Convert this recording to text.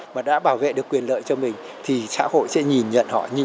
mà đã bảo vệ được quyền lợi cho mình thì xã hội sẽ nhìn nhận họ như